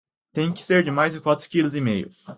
Tem que ser mais de quatro quilos e meio.